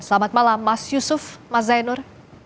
selamat malam mas yusuf mas zainur